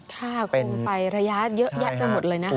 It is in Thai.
โคมไฟระยะเยอะแยะไปหมดเลยนะคะ